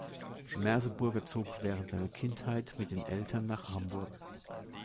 Merseburger zog während seiner Kindheit mit den Eltern nach Hamburg.